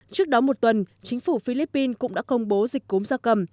trước đó một tuần chính phủ philippines cũng đã công bố dịch cúm gia cầm